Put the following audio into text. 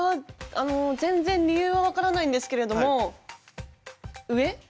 あの全然理由は分からないんですけれども上？